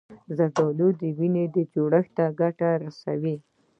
زردالو د وینې جوړښت ته ګټه رسوي.